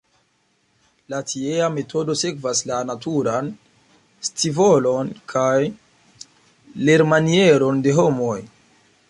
La tiea metodo sekvas la naturan scivolon kaj lernmanieron de homoj.